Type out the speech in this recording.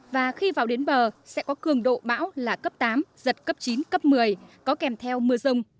và khi vào đến bờ sẽ có cường độ bão là cấp tám giật cấp chín cấp một mươi có kèm theo mưa rông